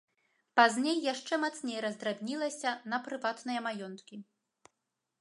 Пазней яшчэ мацней раздрабнілася на прыватныя маёнткі.